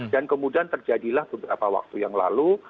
kemudian terjadilah beberapa waktu yang lalu